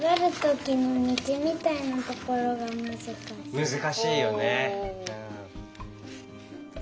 むずかしいよね。